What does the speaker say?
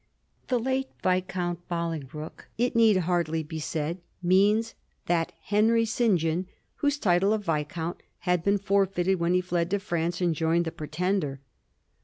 The late Viscount Bolingbroke, it need hardly be said, means that Henry St. John whose title of Viscount had been forfeited when he fled to France and joined the Pretender.